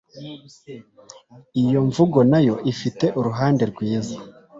Iyi mvugo na yo ifite uruhande rwiza.